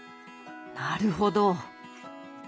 なるほど。